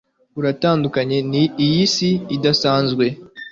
uratandukanye n'iyi si idasanzwe